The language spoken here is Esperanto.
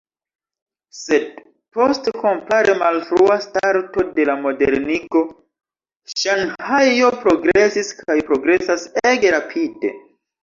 Sed post kompare malfrua starto de la modernigo Ŝanhajo progresis kaj progresas ege rapide.